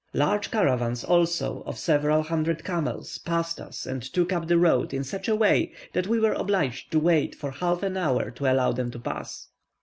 Large caravans also, of several hundred camels, passed us and took up the road in such a way, that we were obliged to wait for half an hour to allow them to pass.